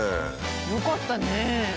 よかったね。